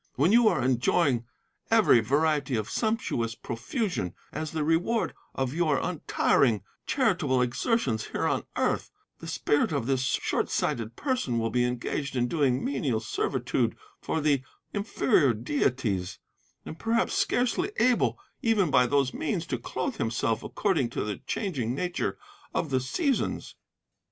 When you are enjoying every variety of sumptuous profusion, as the reward of your untiring charitable exertions here on earth, the spirit of this short sighted person will be engaged in doing menial servitude for the inferior deities, and perhaps scarcely able, even by those means, to clothe himself according to the changing nature of the seasons.